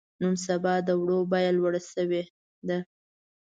نن سبا د وړو بيه لوړه شوې ده.